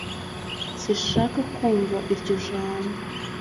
sinshaka kumva iryo jambo